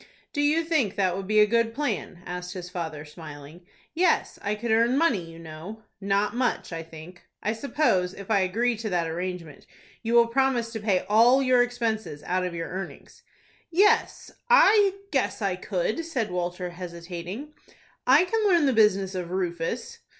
"Do you think that would be a good plan?" asked his father, smiling. "Yes, I could earn money, you know." "Not much, I think. I suppose, if I agree to that arrangement, you will promise to pay all your expenses out of your earnings." "Yes, I guess I could," said Walter, hesitating, "I can learn the business of Rufus."